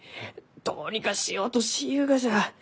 どうにかしようとしゆうがじゃ。